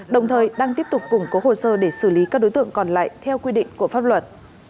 đồng thời đang tiếp tục củng cố hồ sơ để xử lý các đối tượng còn lại theo quy định của pháp luật